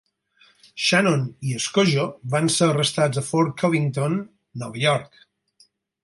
Shannon i Skojo van ser arrestats a Fort Covington, Nova York.